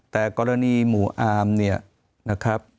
แต่กรณีหมู่อามเนี่ยนะครับ